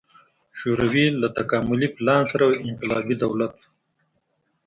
شوروي له تکاملي پلان سره یو انقلابي دولت و.